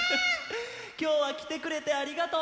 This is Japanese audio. きょうはきてくれてありがとう！